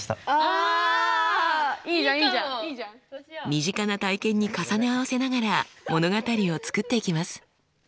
身近な体験に重ね合わせながら物語を作っていきます。